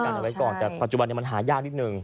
เอาไว้ก่อนแต่ปัจจุบันมันหายากนิดนึง